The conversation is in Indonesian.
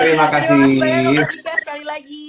terima kasih dok sekali lagi